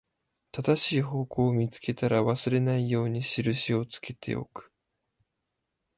正しい方向を見つけたら、忘れないように印をつけておく